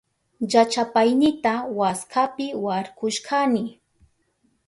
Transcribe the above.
Llachapaynita waskapi warkushkani.